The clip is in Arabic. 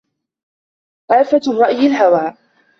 آفة الرأي الهوى